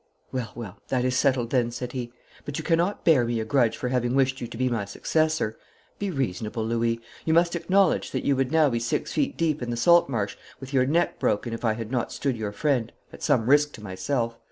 'Well, well, that is settled then,' said he. 'But you cannot bear me a grudge for having wished you to be my successor. Be reasonable, Louis. You must acknowledge that you would now be six feet deep in the salt marsh with your neck broken if I had not stood your friend, at some risk to myself.